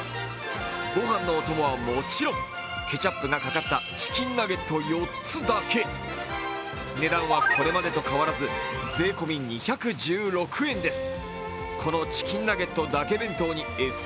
ご飯のお供はもちろんケチャップがかかったチキンナゲット４つだけ値段はこれまでと変わらず税込み２１６円です。